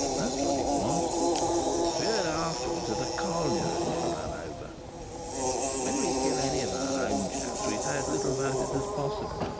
That's what it was. We heard afterwards that a collier had been run over. When we kill any of our own chaps, we say as little about it as possible.